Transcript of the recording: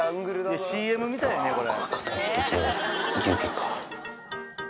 ＣＭみたいやねこれ。